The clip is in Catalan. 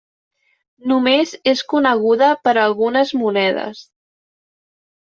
Només és coneguda per algunes monedes.